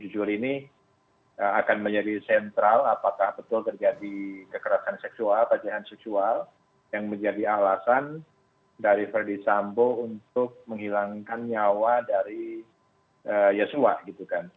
tujuh juli ini akan menjadi sentral apakah betul terjadi kekerasan seksual atau kejahatan seksual yang menjadi alasan dari ferdis sambo untuk menghilangkan nyawa dari yesua gitu kan